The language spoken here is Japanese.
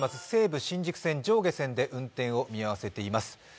西武新宿線、全線で運転を見合わせています。